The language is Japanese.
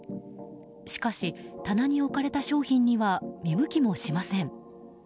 しかし、棚に置かれた商品には見向きもしません。